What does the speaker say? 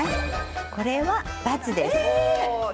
これは×です。